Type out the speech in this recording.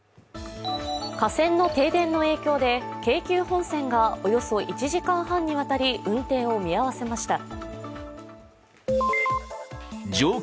架線の停電の影響で京急本線がおよそ１時間半にわたり運転を見合わせました。